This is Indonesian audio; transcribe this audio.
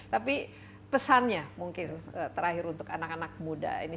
tapi pesannya mungkin terakhir untuk anak anak muda ini